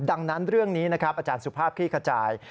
ดังนั้นเรื่องนี้นะครับอาจารย์สุภาพคลี่ขจาย